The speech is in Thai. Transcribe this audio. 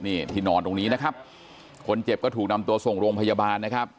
นี่ที่นอนตรงนี้นะครับคนเจ็บก็ถูกนำตัวส่งโรงพยาบาลนะครับ